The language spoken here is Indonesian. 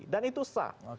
dan itu sah